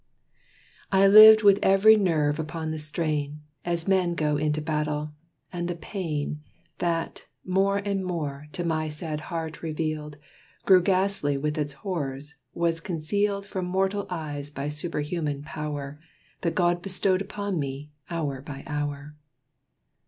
I lived with ev'ry nerve upon the strain, As men go into battle; and the pain, That, more and more, to my sad heart revealed, Grew ghastly with its horrors, was concealed From mortal eyes by superhuman power, That God bestowed upon me, hour by hour.